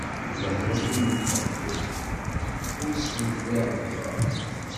D lehlak ur nḥellu, ur s-tenfiɛ ddwa.